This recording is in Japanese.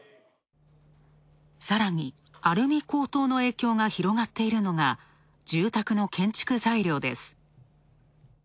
さらにアルミ高騰の影響が広がっているのが、住宅の建築材料です。